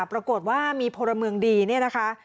ปรากฏว่ามีพลเมืองดีเนี่ยนะคะ